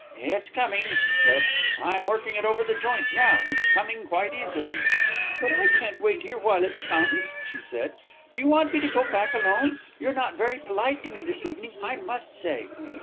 "It's coming!" he said; "I'm working it over the joint now it's coming quite easily." "But I can't wait here while it comes," she said. "Do you want me to go back alone? You're not very polite to me this evening, I must say."